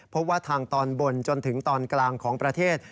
พบว่าทางตอนบนจนถึงตอนกลางของประเทศ